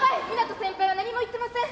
湊斗先輩は何も言ってません。